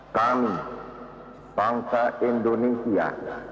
kami bangsa indonesia